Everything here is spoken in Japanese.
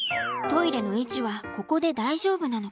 トイレの位置はここで大丈夫なのか？